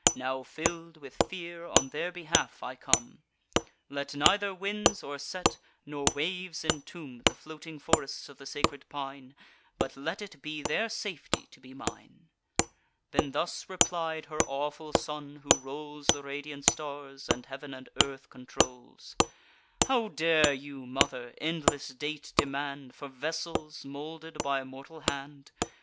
Now, fill'd with fear, on their behalf I come; Let neither winds o'erset, nor waves intomb The floating forests of the sacred pine; But let it be their safety to be mine." Then thus replied her awful son, who rolls The radiant stars, and heav'n and earth controls: "How dare you, mother, endless date demand For vessels moulded by a mortal hand?